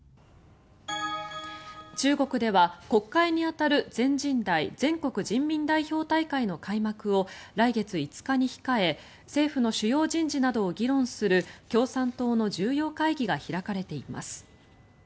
中国では国会に当たる全人代・全国人民代表大会の開幕を来月５日に控え政府の主要人事などを議論する共産党の重要会議が開かれています。